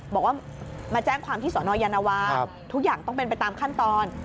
บอกว่ามาแจ้งความที่สนยานวาทุกอย่างต้องเป็นไปตามขั้นตอน